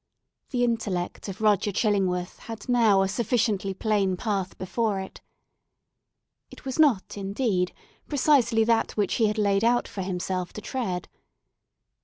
The intellect of Roger Chillingworth had now a sufficiently plain path before it. It was not, indeed, precisely that which he had laid out for himself to tread.